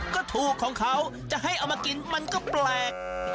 ก็ถูกของเขาจะให้เอามากินมันก็แปลก